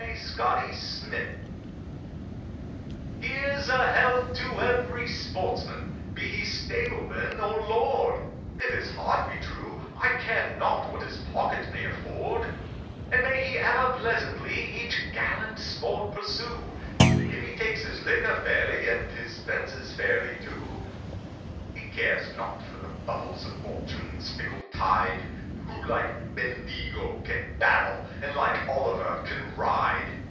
A Hunting Song Here's a health to every sportsman, be he stableman or lord, If his heart be true, I care not what his pocket may afford; And may he ever pleasantly each gallant sport pursue, If he takes his liquor fairly, and his fences fairly, too. He cares not for the bubbles of Fortune's fickle tide, Who like Bendigo can battle, and like Olliver can ride.